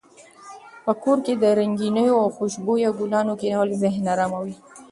په کور کې د رنګینو او خوشبویه ګلانو کښېنول ذهن اراموي.